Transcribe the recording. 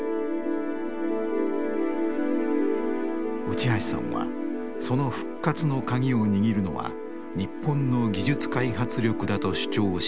内橋さんはその復活の鍵を握るのは日本の技術開発力だと主張したのです。